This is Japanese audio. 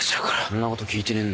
んなこと聞いてねえんだよ。